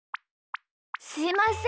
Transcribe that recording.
すいません。